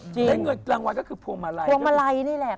ได้เงินรางวัลก็คือโพงมะไล